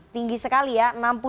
tinggi sekali ya